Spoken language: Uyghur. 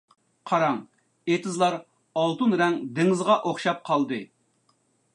قاراڭ، ئېتىزلار ئالتۇن رەڭ دېڭىزغا ئوخشاپ قالدى.